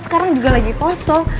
sekarang juga lagi kosong